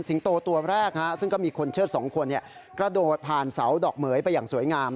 โตตัวแรกซึ่งก็มีคนเชิดสองคนกระโดดผ่านเสาดอกเหมือยไปอย่างสวยงาม